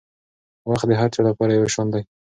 وخت د هر چا لپاره یو شان دی.